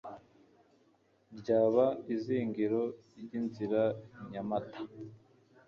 ryaba izingiro ry'Inzira Nyamata,